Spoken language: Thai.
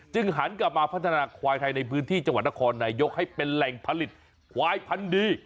หันกลับมาพัฒนาควายไทยในพื้นที่จังหวัดนครนายกให้เป็นแหล่งผลิตควายพันธุ์ดี